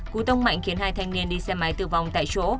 cú tông mạnh khiến hai thanh niên đi xe máy tử vong tại chỗ